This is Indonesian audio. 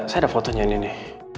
saya ada fotonya ini